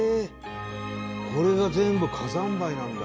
これが全部火山灰なんだ。